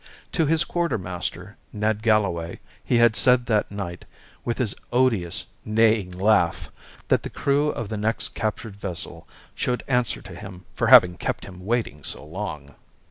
To his quartermaster, Ned Galloway, he had said that night, with his odious neighing laugh, that the crew of the next captured vessel should answer to him for having kept him waiting so long.